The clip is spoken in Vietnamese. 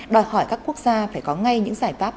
đòi hỏi các quốc gia phải có ngay những giải pháp